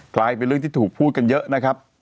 กลายเป็นเรื่องที่ถูกพูดกันเยอะนะครับ